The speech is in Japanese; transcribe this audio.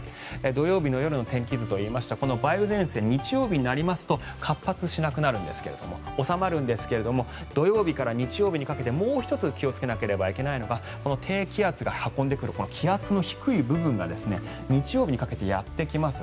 土曜日の夜の天気図といいましたがこの梅雨前線は日曜日になりますと活発しなくなるんですが収まるんですが土曜日から日曜日にかけてもう１つ気をつけなければいけないのが低気圧が運んでくる気圧の低い部分が日曜日にかけてやってきます。